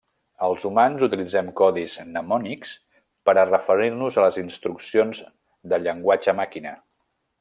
Els humans utilitzem codis mnemònics per a referir-nos a les instruccions de llenguatge màquina.